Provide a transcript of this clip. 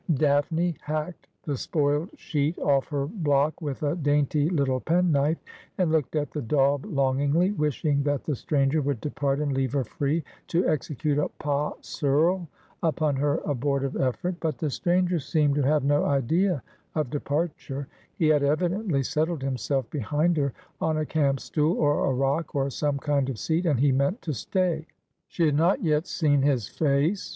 Daphne hacked the spoiled sheet off her block with a dainty little penknife, and looked at the daub longingly, wishing that the stranger would depart and leave her free to execute a pas seul upon her abortive effort. But the stranger seemed to have 'And She ims Fair as is the Rose in May.' 9 no idea of departure. He had evidently settled himself behind her, on a camp stool, or a rock, or some kind of seat ; and he meant to stay. She had not yet seen his face.